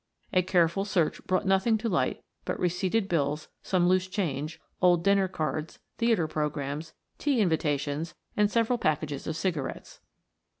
A careful search brought nothing to light but receipted bills, some loose change, old dinner cards, theater programs, tea invitations, and several packages of cigarettes.